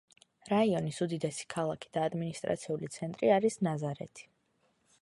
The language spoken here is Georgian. რაიონის უდიდესი ქალაქი და ადმინისტრაციული ცენტრი არის ნაზარეთი.